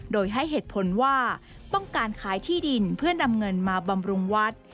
โดยให้เหตุผลว่าต้องการขายที่ดินเพื่อนำเงินมาบำรุงวัด